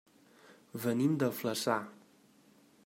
Venim de Flaçà.